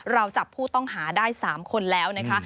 เราจับผู้ต้องหาได้๓คนแล้วนะคะ